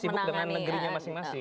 sibuk dengan negerinya masing masing